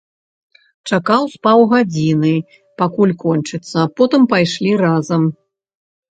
Чакаў з паўгадзіны, пакуль кончыцца, потым пайшлі разам.